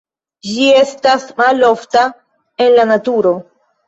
Ĝi estas malofta en la naturo.